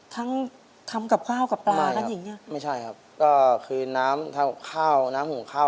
ทั้งทำกับข้าวกับปลากันอย่างนี้